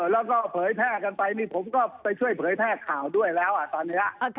แล้วก็เผยแพร่กันไปนี่ผมก็ไปช่วยเผยแพร่ข่าวด้วยแล้วตอนนี้